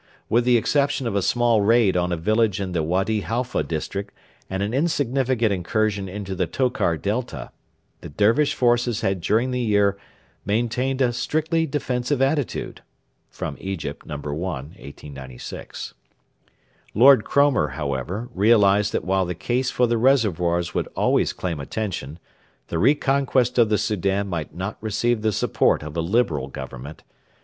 With the exception of a small raid on a village in the Wady Halfa district and an insignificant incursion into the Tokar Delta the Dervish forces had during the year maintained 'a strictly defensive attitude.' [EGYPT, No. 1, 1896.] Lord Cromer, however, realised that while the case for the reservoirs would always claim attention, the re conquest of the Soudan might not receive the support of a Liberal Government.